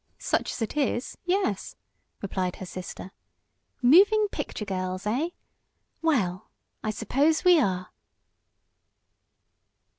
"Such as it is yes," replied her sister. "'Moving picture girls'; eh? Well, I suppose we are."